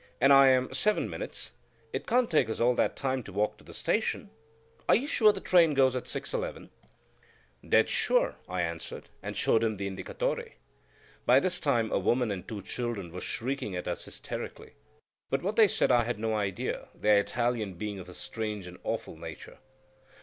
"And I am seven minutes. It can't take us all that time to walk to the station." "Are you sure the train goes at 6.11?" "Dead sure," I answered; and showed him the Indicatore. By this time a woman and two children were shrieking at us hysterically; but what they said I had no idea, their Italian being of a strange and awful nature.